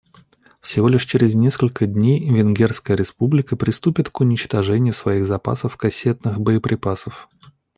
Всего лишь через несколько дней Венгерская Республика приступит к уничтожению своих запасов кассетных боеприпасов.